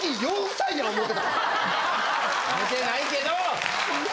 思てないけど。